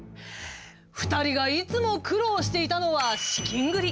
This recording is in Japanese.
２人がいつも苦労していたのは資金繰り。